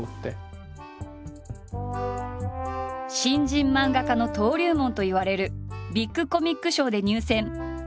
新人漫画家の登竜門といわれるビッグコミック賞で入選。